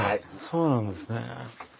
そうなんですね。